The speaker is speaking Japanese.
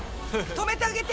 止めてあげて！